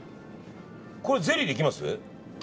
これゼリーできます？